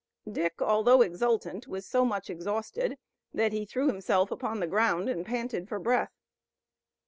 Dick, although exultant, was so much exhausted that he threw himself upon the ground and panted for breath.